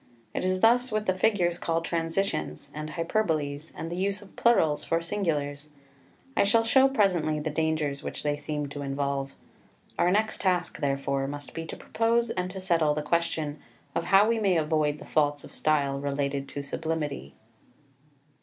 It is thus with the figures called transitions, and hyperboles, and the use of plurals for singulars. I shall show presently the dangers which they seem to involve. Our next task, therefore, must be to propose and to settle the question how we may avoid the faults of style related to sublimity.